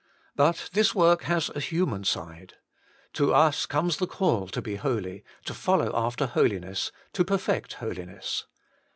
But this work has a human side. To us comes the call to be holy, to follow after holiness, to per fect holiness.